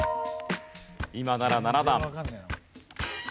今なら７段。